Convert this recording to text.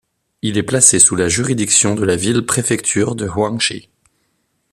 Il est placé sous la juridiction de la ville-préfecture de Huangshi.